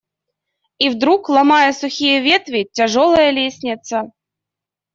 И вдруг, ломая сухие ветви, тяжелая лестница